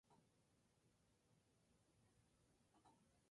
La canción fue tildada de racista, aunque la banda desmintió tales acusaciones.